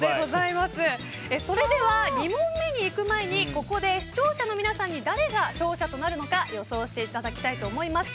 それでは２問目にいく前にここで視聴者の皆さんに誰が勝者となるのか予想していただきたいと思います。